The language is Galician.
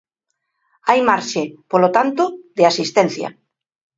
Hai marxe, polo tanto, de asistencia.